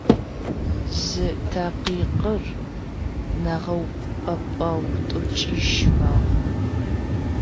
Зы такъикъыр нэгъэупӏэпӏэгъу тӏокӏищ мэхъу.